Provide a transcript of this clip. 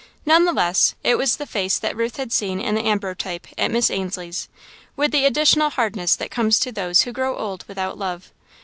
None the less, it was the face that Ruth had seen in the ambrotype at Miss Ainslie's, with the additional hardness that comes to those who grow old without love.